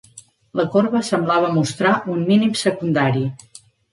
La corba semblava mostrar un mínim secundari.